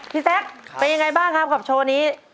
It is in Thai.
แซคเป็นยังไงบ้างครับกับโชว์นี้